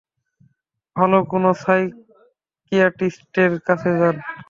ভাল কোনো সাইকিয়াট্রিস্টের কাছে যান।